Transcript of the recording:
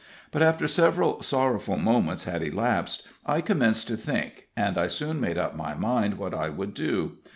But, after several sorrowful moments had elapsed, I commenced to think, and I soon made up my mind what I would do.